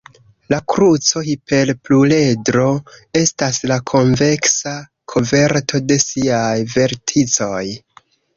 La kruco-hiperpluredro estas la konveksa koverto de siaj verticoj.